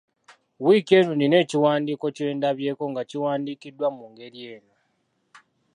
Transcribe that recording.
Wiiki eno nnina ekiwandiiko kye ndabyeko nga kiwandiikiddwa mu ngeri eno.